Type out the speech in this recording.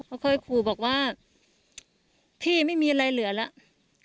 เขาเคยขู่บอกว่าพี่ไม่มีอะไรเหลือแล้ว